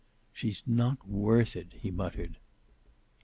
"She's not worth it," he muttered.